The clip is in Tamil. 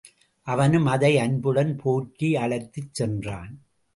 அவனும் அதை அன்புடன் போற்றி அழைத்துச் சென்றான்.